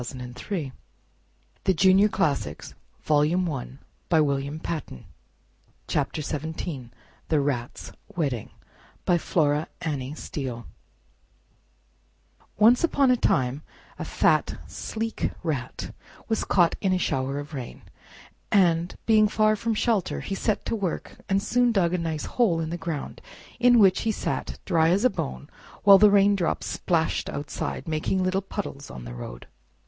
Just you come out of that!" Whereupon he tore open Drumikin and gobbled up Lambikin. THE RAT'S WEDDING By Flora Annie Steel Once upon a time a fat, sleek Rat was caught in a shower of rain, and being far from shelter he set to work and soon dug a nice hole in the ground, in which he sat as dry as a bone while the raindrops splashed outside, making little puddles on the road.